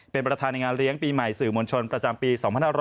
เป็นประธานในงานเลี้ยงปีใหม่สื่อมวลชนประจำปี๒๕๖๐